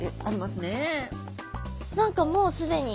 何かもう既に。